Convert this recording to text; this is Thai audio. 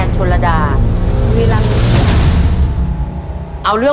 จะได้ไหมอ่ะถ้าได้แล้ว